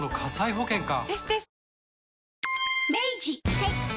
はい。